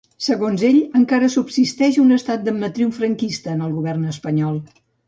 Segons ell, "encara subsisteix un estat de matriu franquista" en el govern espanyol.